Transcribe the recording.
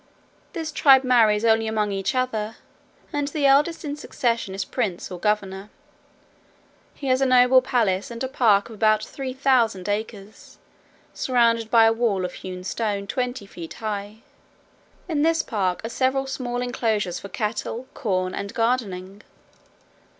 This tribe marries only among each other, and the eldest in succession is prince or governor. He has a noble palace, and a park of about three thousand acres, surrounded by a wall of hewn stone twenty feet high. In this park are several small enclosures for cattle, corn, and gardening.